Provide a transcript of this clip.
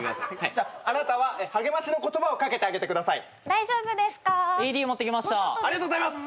じゃああなたは励ましの言葉をかけてあげてください。